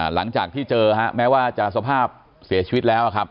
หลังจากที่เจอแม้ว่าจะสภาพเสียชีวิตแล้วครับ